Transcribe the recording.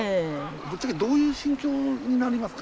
ぶっちゃけどういう心境になりますか？